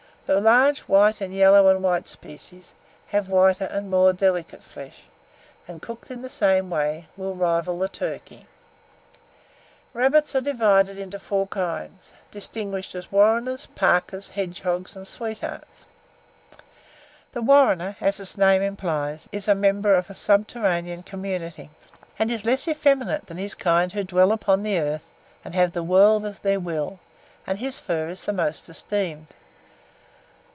The large white, and yellow and white species, have whiter and more delicate flesh, and, cooked in the same way, will rival the turkey. Rabbits are divided into four kinds, distinguished as warreners, parkers, hedgehogs, and sweethearts. The warrener, as his name implies, is a member of a subterranean community, and is less effeminate than his kindred who dwell upon the earth and have "the world at their will," and his fur is the most esteemed.